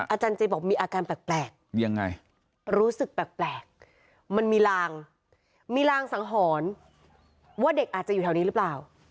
อาจารย์เจบอกมีอาการแปลกยังไงรู้สึกแปลกมันมีลางมีรางสังหรณ์ว่าเด็กอาจจะอยู่แถวนี้หรือเปล่า